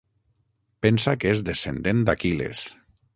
Pensa que és descendent d'Aquil·les.